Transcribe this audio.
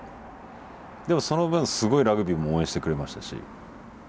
でもその分すごいラグビーも応援してくれましたし。